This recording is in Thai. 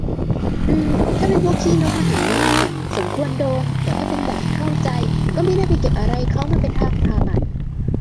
อือ ถ้าเป็นพวกขี้นกมาหางานอะ สมควรโดนแต่ถ้าเป็น แบบที่เข้าใจ ก็ไม่น่าไปเก็บอะไรเขา มาเป็นทางผ่าน